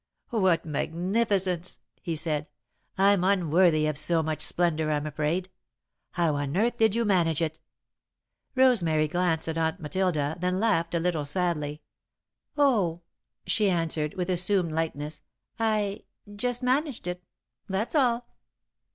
"What magnificence!" he said. "I'm unworthy of so much splendour, I'm afraid. How on earth did you manage it?" [Sidenote: The Ceremony] Rosemary glanced at Aunt Matilda, then laughed a little sadly. "Oh," she answered, with assumed lightness, "I just managed it, that's all."